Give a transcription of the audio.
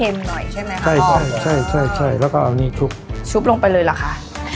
หน่อยใช่ไหมคะใช่ใช่ใช่แล้วก็เอานี่ชุบชุบลงไปเลยเหรอคะ